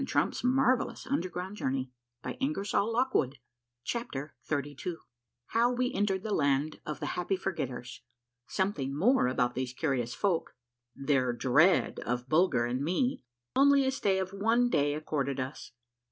224 A MARVELLOUS UNDERGROUND JOURNEY CHAPTER XXXII HOW WE ENTERED THE LAND OF THE HAPPY FORGETTERS. — SOMETHING MORE ABOUT THESE CURIOUS FOLK. — THEIR DREAD OF BULGER AND ME. ONLY A STAY OF ONE DAY ACCORDED US.